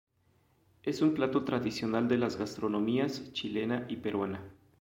Es un plato tradicional de las gastronomías chilena y peruana.